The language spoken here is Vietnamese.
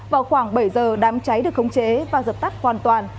vào khoảng bảy giờ đám cháy được khống chế và dập tắt hoàn toàn